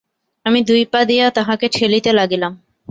আমি দুই পা দিয়া তাহাকে ঠেলিতে লাগিলাম।